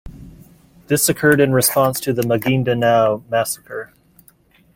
This occurred in response to the Maguindanao massacre.